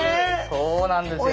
そうなんですよ。